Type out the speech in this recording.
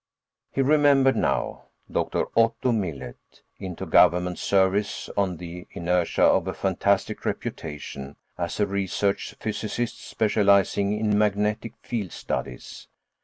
He remembered now. Dr. Otto Millet: into government service on the inertia of a fantastic reputation as a research physicist specializing in magnetic field studies.